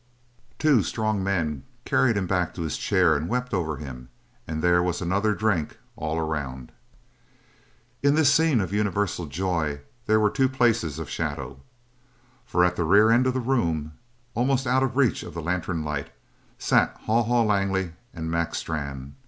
Two strong men carried him back to his chair and wept over him, and there was another drink all around. In this scene of universal joy there were two places of shadow. For at the rear end of the room, almost out of reach of the lantern light, sat Haw Haw Langley and Mac Strann.